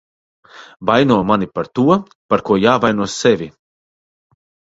Vaino mani par to, par ko jāvaino sevi.